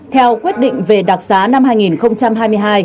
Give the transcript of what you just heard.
theo quyết định về đặc xá năm hai nghìn hai mươi hai